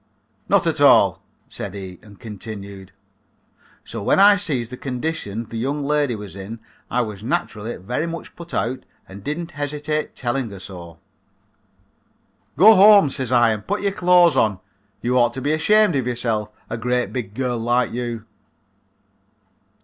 "Not at all," said he and continued. "So when I sees the condition the young lady was in I was naturally very much put out and I didn't hesitate telling her so. "'Go home,' says I, 'and put your clothes on. You ought to be ashamed of yourself a great big girl like you.'